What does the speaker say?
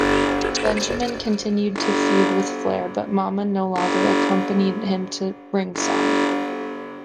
Benjamin continued to feud with Flair, but Momma no longer accompanied him to ringside.